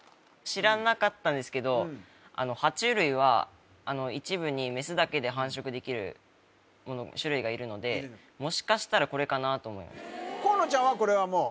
知らなかったんですけど爬虫類は一部にメスだけで繁殖できる種類がいるのでもしかしたらこれかなと思いました河野ちゃんはこれはもう？